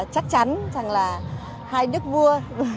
chắc chắn rằng là hai đức vua